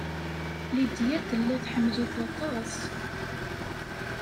Lydia tella tḥemmel-it aṭas.